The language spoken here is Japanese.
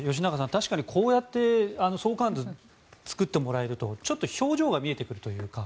確かにこうやって相関図を作ってもらえるとちょっと表情が見えてくるというか。